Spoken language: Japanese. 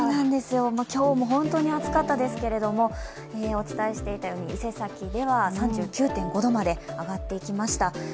今日も本当に暑かったんですけれどもお伝えしていたように、伊勢崎では３９．５度まで上がってきました。